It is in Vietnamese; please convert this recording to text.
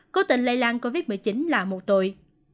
cố tình lây lan covid một mươi chín là một tội